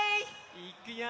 いくよ！